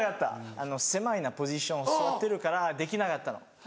狭いポジション座ってるからできなかったの。